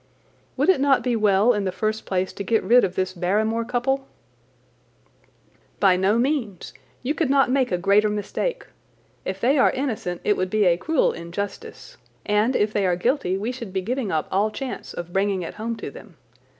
"Would it not be well in the first place to get rid of this Barrymore couple?" "By no means. You could not make a greater mistake. If they are innocent it would be a cruel injustice, and if they are guilty we should be giving up all chance of bringing it home to them.